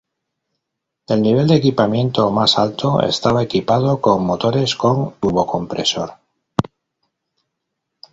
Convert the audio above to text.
El nivel de equipamiento más alto estaba equipado con motores con turbocompresor.